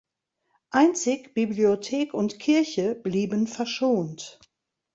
Einzig Bibliothek und Kirche blieben verschont.